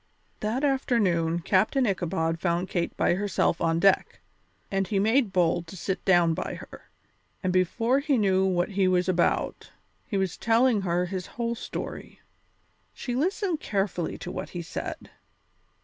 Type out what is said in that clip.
That afternoon Captain Ichabod found Kate by herself on deck, and he made bold to sit down by her; and before he knew what he was about, he was telling her his whole story. She listened carefully to what he said.